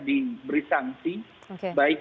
diberi sanksi baik